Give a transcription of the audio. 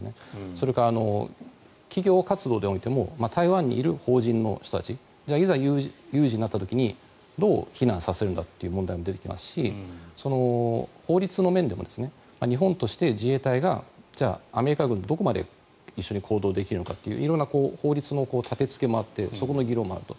それから企業活動においても台湾にいる邦人の人たちじゃあ、いざ有事になった時にどう避難させるんだっていう問題も出てきますし法律の面でも日本として自衛隊がじゃあアメリカ軍とどこまで一緒に行動できるのかという色んな法律の建てつけもあってそこの議論もあると。